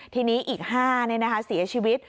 ทีนี้อีก๕เสียชีวิต